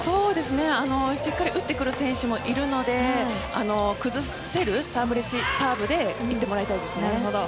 しっかり打ってくる選手もいるので崩せるサーブでいってほしいですね。